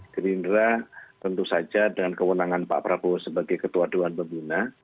gerindra tentu saja dengan kewenangan pak prabowo sebagai ketua dewan pembina